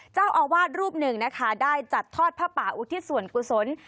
เจ้าอาวาสรูปหนึ่งนะคะได้จัดทอดผ้าป่าอุทิศส่วนกุศล